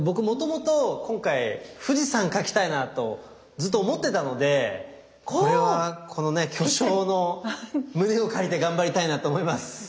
もともと今回富士山描きたいなとずっと思ってたのでこれはこの巨匠の胸を借りて頑張りたいなと思います。